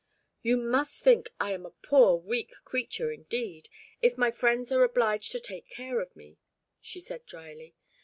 "You must think I am a poor weak creature indeed, if my friends are obliged to take care of me," she said drily.